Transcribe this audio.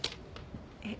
えっ？